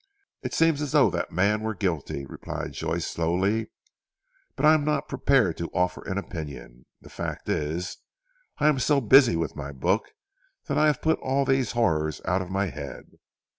"It seems as though that man were guilty," replied Joyce slowly, "but I am not prepared to offer an opinion. The fact is I am so busy with my book that I have put all these horrors out of my head.